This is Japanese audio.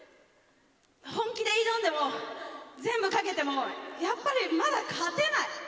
本気で挑んでも、全部かけても、やっぱりまだ勝てない！